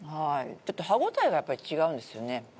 ちょっと歯ごたえがやっぱり違うんですよね。